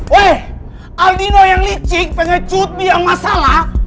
weh aldino yang licik pengen cut biang masalah